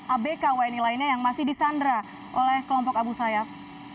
abk wni lainnya yang masih disandra oleh kelompok abu sayyaf